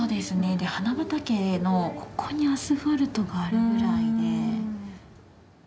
で花畑のここにアスファルトがあるぐらいで。